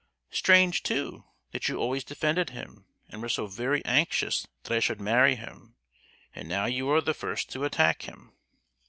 "Strange, too, that you always defended him, and were so very anxious that I should marry him!—and now you are the first to attack him!"